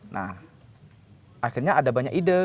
nah akhirnya ada banyak ide